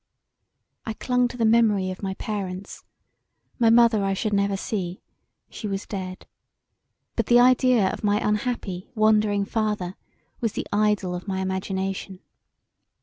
I clung to the memory of my parents; my mother I should never see, she was dead: but the idea of [my] unhappy, wandering father was the idol of my imagination.